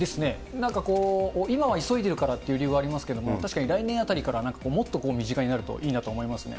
なんかこう、今は急いでるからっていう理由がありますけど、確かに来年あたりからもっと身近になるといいなと思いますね。